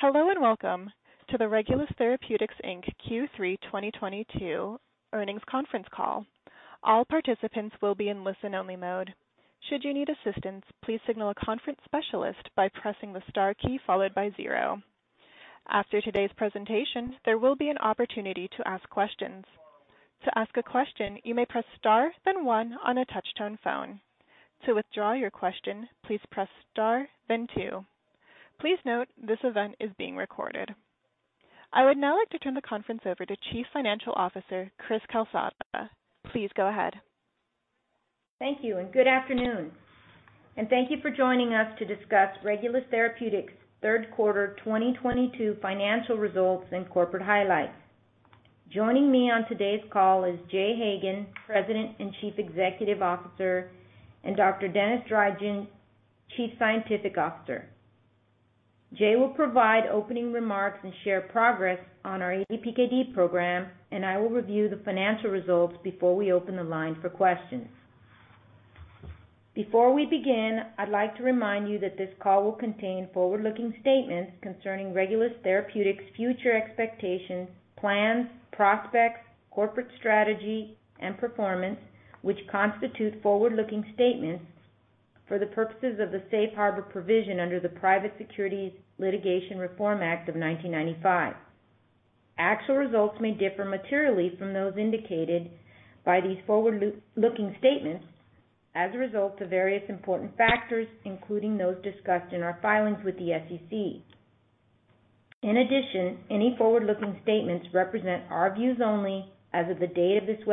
Hello, and welcome to the Regulus Therapeutics Inc. Q3 2022 Earnings Conference Call. All participants will be in listen-only mode. Should you need assistance, please signal a conference specialist by pressing the star key followed by zero. After today's presentation, there will be an opportunity to ask questions. To ask a question, you may press star then one on a touch-tone phone. To withdraw your question, please press star then two. Please note this event is being recorded. I would now like to turn the conference over to Chief Financial Officer, Cris Calsada. Please go ahead. Thank you, and good afternoon, and thank you for joining us to discuss Regulus Therapeutics' third quarter 2022 financial results and corporate highlights. Joining me on today's call is Jay Hagan, President and Chief Executive Officer, and Dr. Denis Drygin, Chief Scientific Officer. Jay will provide opening remarks and share progress on our ADPKD program, and I will review the financial results before we open the line for questions. Before we begin, I'd like to remind you that this call will contain forward-looking statements concerning Regulus Therapeutics' future expectations, plans, prospects, corporate strategy, and performance, which constitute forward-looking statements for the purposes of the safe harbor provision under the Private Securities Litigation Reform Act of 1995. Actual results may differ materially from those indicated by these forward-looking statements as a result of various important factors, including those discussed in our filings with the SEC. In addition, any forward-looking statements represent our views only as of the date of this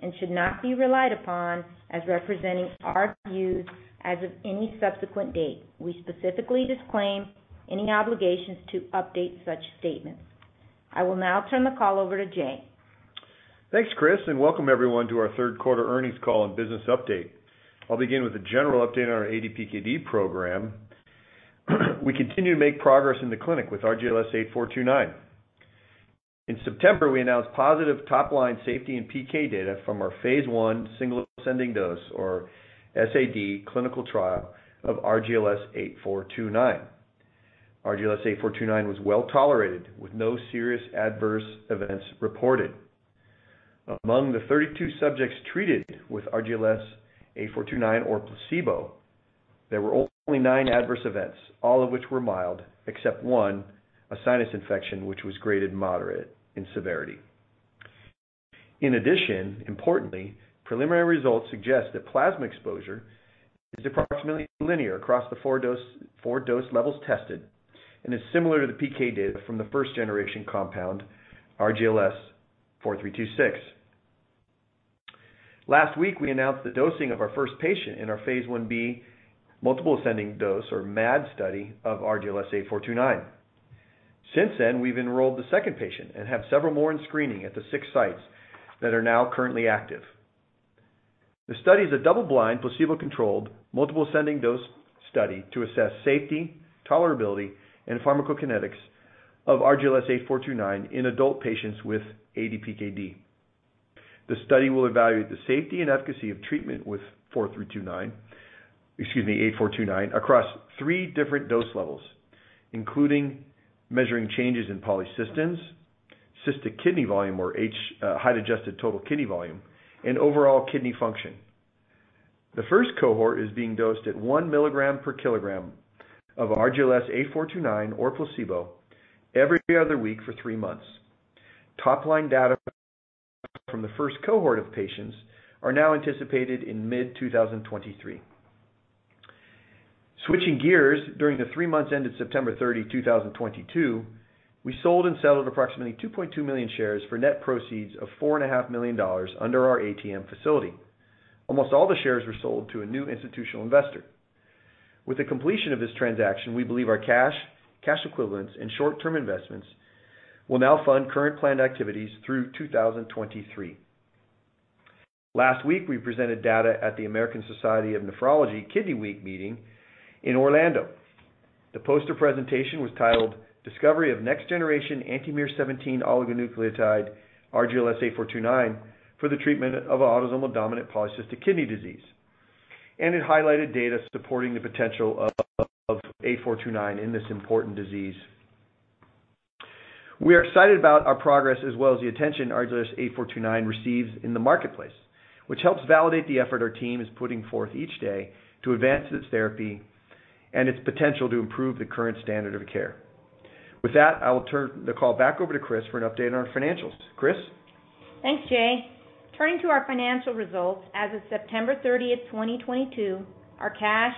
webcast and should not be relied upon as representing our views as of any subsequent date. We specifically disclaim any obligations to update such statements. I will now turn the call over to Jay. Thanks, Cris, and welcome everyone to our third quarter earnings call and business update. I'll begin with a general update on our ADPKD program. We continue to make progress in the clinic with RGLS8429. In September, we announced positive top-line safety and PK data from our phase I single ascending dose or SAD clinical trial of RGLS8429. RGLS8429 was well-tolerated with no serious adverse events reported. Among the 32 subjects treated with RGLS8429 or placebo, there were only nine adverse events, all of which were mild except one, a sinus infection, which was graded moderate in severity. In addition, importantly, preliminary results suggest that plasma exposure is approximately linear across the 4 dose levels tested and is similar to the PK data from the first generation compound, RGLS4326. Last week, we announced the dosing of our first patient in our phase I-B multiple ascending dose or MAD study of RGLS8429. Since then, we've enrolled the second patient and have several more in screening at the six sites that are now currently active. The study is a double-blind, placebo-controlled, multiple ascending dose study to assess safety, tolerability, and pharmacokinetics of RGLS8429 in adult patients with ADPKD. The study will evaluate the safety and efficacy of treatment with RGLS8429 across three different dose levels, including measuring changes in cysts, cystic kidney volume or height-adjusted total kidney volume, and overall kidney function. The first cohort is being dosed at 1 milligram per kilogram of RGLS8429 or placebo every other week for 3 months. Top-line data from the first cohort of patients are now anticipated in mid-2023. Switching gears, during the three months ended September 30, 2022, we sold and settled approximately 2.2 million shares for net proceeds of $4.5 million under our ATM facility. Almost all the shares were sold to a new institutional investor. With the completion of this transaction, we believe our cash equivalents, and short-term investments will now fund current planned activities through 2023. Last week, we presented data at the American Society of Nephrology Kidney Week meeting in Orlando. The poster presentation was titled Discovery of Next Generation Anti-miR-17 Oligonucleotide RGLS8429 for the treatment of autosomal dominant polycystic kidney disease, and it highlighted data supporting the potential of 8429 in this important disease. We are excited about our progress as well as the attention RGLS8429 receives in the marketplace, which helps validate the effort our team is putting forth each day to advance this therapy and its potential to improve the current standard of care. With that, I will turn the call back over to Cris for an update on our financials. Cris? Thanks, Jay. Turning to our financial results, as of September 30, 2022, our cash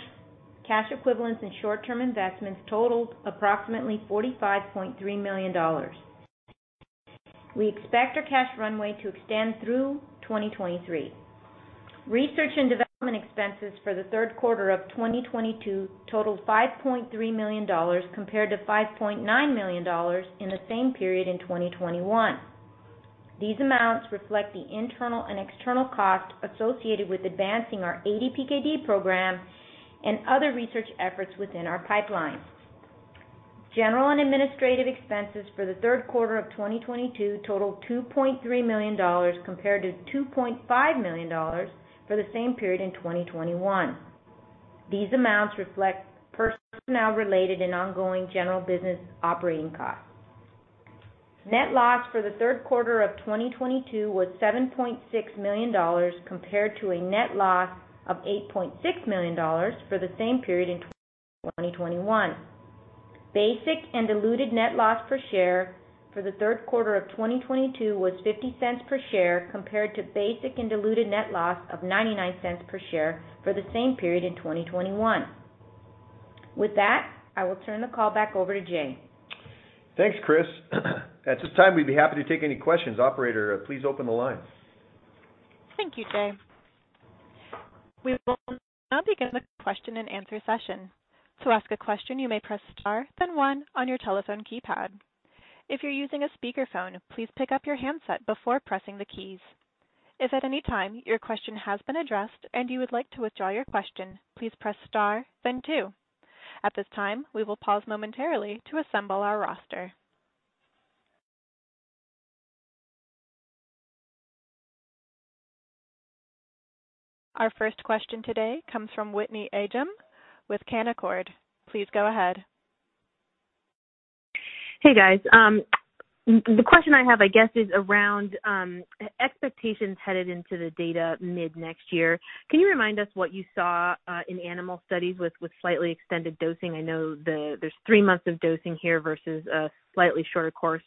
equivalents, and short-term investments totaled approximately $45.3 million. We expect our cash runway to extend through 2023. Research and development expenses for the third quarter of 2022 totaled $5.3 million compared to $5.9 million in the same period in 2021. These amounts reflect the internal and external costs associated with advancing our ADPKD program and other research efforts within our pipeline. General and administrative expenses for the third quarter of 2022 totaled $2.3 million compared to $2.5 million for the same period in 2021. These amounts reflect personnel related and ongoing general business operating costs. Net loss for the third quarter of 2022 was $7.6 million compared to a net loss of $8.6 million for the same period in 2021. Basic and diluted net loss per share for the third quarter of 2022 was $0.50 per share compared to basic and diluted net loss of $0.99 per share for the same period in 2021. With that, I will turn the call back over to Jay. Thanks, Cris. At this time, we'd be happy to take any questions. Operator, please open the line. Thank you, Jay. We will now begin the question-and-answer session. To ask a question, you may press star, then one on your telephone keypad. If you're using a speakerphone, please pick up your handset before pressing the keys. If at any time your question has been addressed and you would like to withdraw your question, please press star, then two. At this time, we will pause momentarily to assemble our roster. Our first question today comes from Whitney Ijem with Canaccord. Please go ahead. Hey, guys. The question I have, I guess, is around expectations headed into the data mid-next year. Can you remind us what you saw in animal studies with slightly extended dosing? I know there's 3 months of dosing here versus a slightly shorter course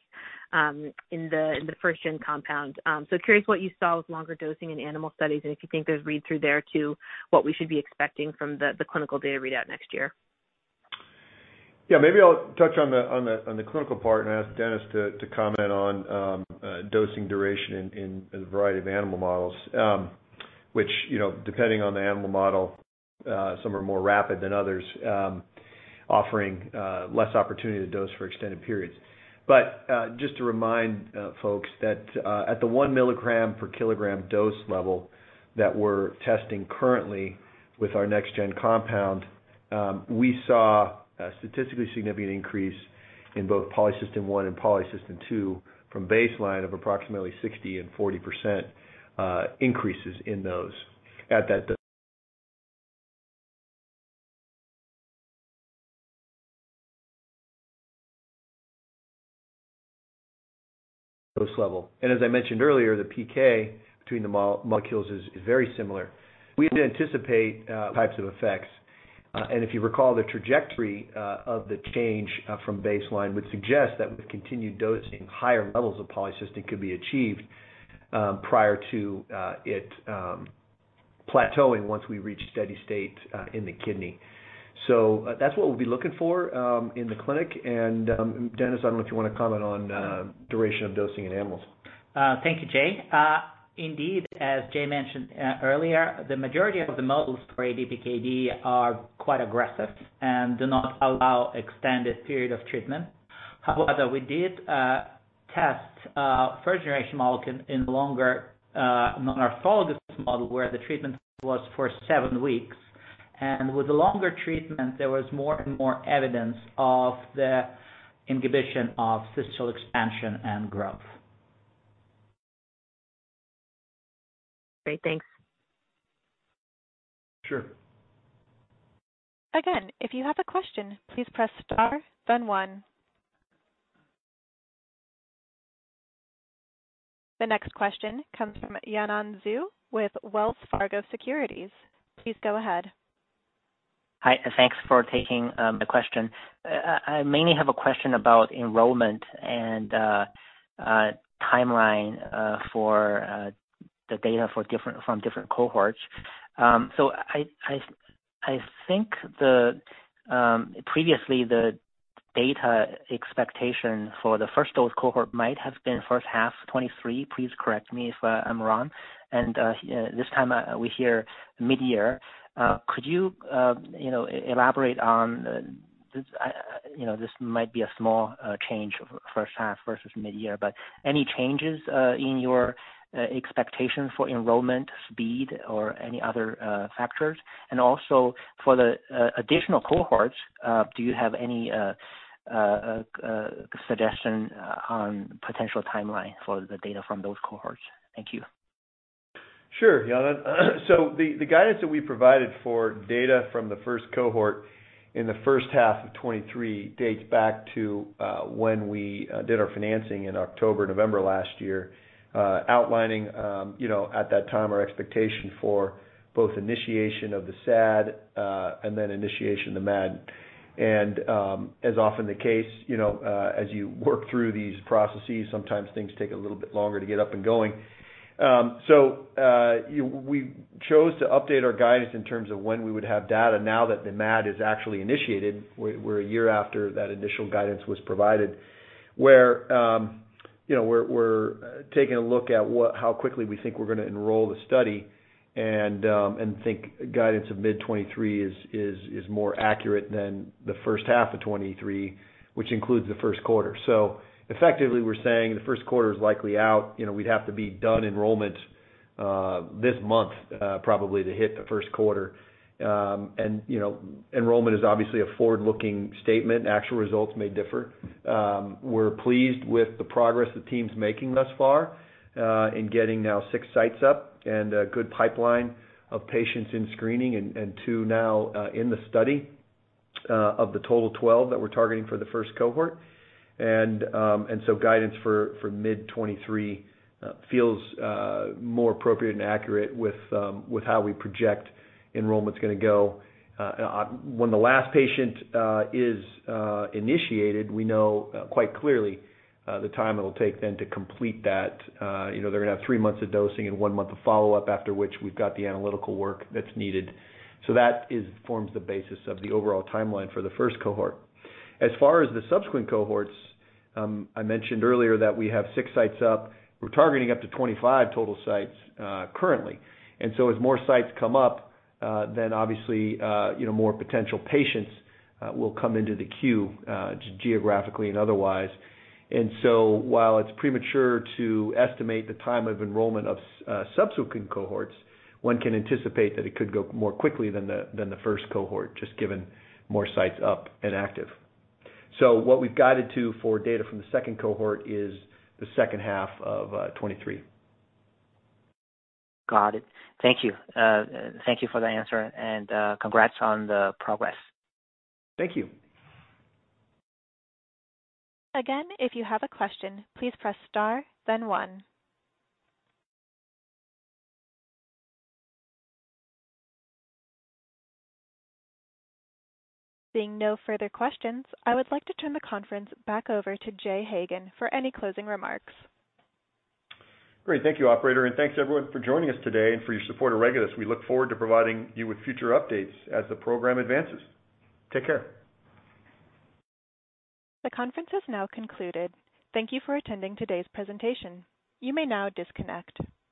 in the first-gen compound. Curious what you saw with longer dosing in animal studies and if you think there's read-through there to what we should be expecting from the clinical data readout next year. Yeah, maybe I'll touch on the clinical part and ask Denis to comment on dosing duration in a variety of animal models. Which, you know, depending on the animal model, some are more rapid than others, offering less opportunity to dose for extended periods. Just to remind folks that at the 1 milligram per kilogram dose level that we're testing currently with our next gen compound, we saw a statistically significant increase in both polycystin-1 and polycystin-2 from baseline of approximately 60% and 40% increases in those at that dose level. As I mentioned earlier, the PK between the molecules is very similar. We didn't anticipate types of effects. If you recall, the trajectory of the change from baseline would suggest that with continued dosing, higher levels of polycystin could be achieved prior to it plateauing once we reach steady state in the kidney. So that's what we'll be looking for in the clinic. Denis, I don't know if you wanna comment on duration of dosing in animals. Thank you, Jay. Indeed, as Jay mentioned earlier, the majority of the models for ADPKD are quite aggressive and do not allow extended period of treatment. However, we did test first generation molecule in longer non-orthologous model where the treatment was for 7 weeks. With the longer treatment, there was more and more evidence of the inhibition of cyst expansion and growth. Great. Thanks. Sure. Again, if you have a question, please press star, then one. The next question comes from Yanan Zhu with Wells Fargo Securities. Please go ahead. Hi. Thanks for taking the question. I mainly have a question about enrollment and timeline for the data from different cohorts. I think previously, the data expectation for the first dose cohort might have been first half 2023. Please correct me if I'm wrong. This time, we hear mid-year. Could you know, elaborate on this. You know, this might be a small change of first half versus mid-year, but any changes in your expectation for enrollment speed or any other factors? Also for the additional cohorts, do you have any suggestion on potential timeline for the data from those cohorts? Thank you. Sure, Yanan. The guidance that we provided for data from the first cohort in the first half of 2023 dates back to when we did our financing in October, November last year, outlining you know at that time our expectation for both initiation of the SAD and then initiation of the MAD. As is often the case, you know as you work through these processes, sometimes things take a little bit longer to get up and going. We chose to update our guidance in terms of when we would have data now that the MAD is actually initiated. We're a year after that initial guidance was provided, where you know, we're taking a look at how quickly we think we're gonna enroll the study and think guidance of mid-2023 is more accurate than the first half of 2023, which includes the first quarter. Effectively, we're saying the first quarter is likely out. You know, we'd have to be done enrollment this month, probably to hit the first quarter. You know, enrollment is obviously a forward-looking statement. Actual results may differ. We're pleased with the progress the team's making thus far, in getting now 6 sites up and a good pipeline of patients in screening and two now in the study, of the total 12 that we're targeting for the first cohort. Guidance for mid-2023 feels more appropriate and accurate with how we project enrollment's gonna go. When the last patient is initiated, we know quite clearly the time it'll take then to complete that. You know, they're gonna have three months of dosing and one month of follow-up, after which we've got the analytical work that's needed. That forms the basis of the overall timeline for the first cohort. As far as the subsequent cohorts, I mentioned earlier that we have six sites up. We're targeting up to 25 total sites, currently. As more sites come up, then obviously, you know, more potential patients will come into the queue, geographically and otherwise. While it's premature to estimate the time of enrollment of subsequent cohorts, one can anticipate that it could go more quickly than the first cohort, just given more sites up and active. What we've guided to for data from the second cohort is the second half of 2023. Got it. Thank you. Thank you for the answer and congrats on the progress. Thank you. Again, if you have a question, please press Star, then one. Seeing no further questions, I would like to turn the conference back over to Jay Hagan for any closing remarks. Great. Thank you, operator, and thanks everyone for joining us today and for your support of Regulus. We look forward to providing you with future updates as the program advances. Take care. The conference has now concluded. Thank you for attending today's presentation. You may now disconnect.